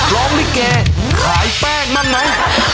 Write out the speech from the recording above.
ร้องลิเกย์ขายแป้งมั่นไหน